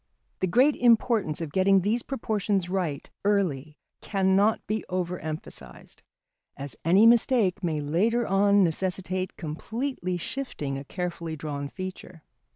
The great importance of getting these proportions right early cannot be over emphasised, as any mistake may later on necessitate completely shifting a carefully drawn feature.